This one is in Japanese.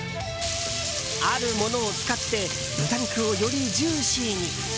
あるものを使って豚肉をよりジューシーに。